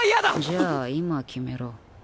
じゃあ今決めろ。